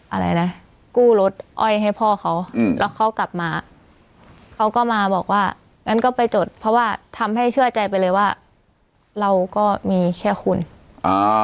อะไรนะกู้รถอ้อยให้พ่อเขาอืมแล้วเขากลับมาเขาก็มาบอกว่างั้นก็ไปจดเพราะว่าทำให้เชื่อใจไปเลยว่าเราก็มีแค่คุณอ่า